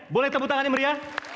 boleh tekrar tangan nih maria